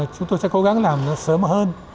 chúng tôi sẽ cố gắng làm nó sớm hơn